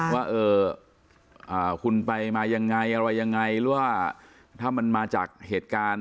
ว่าคุณไปมายังไงอะไรยังไงหรือว่าถ้ามันมาจากเหตุการณ์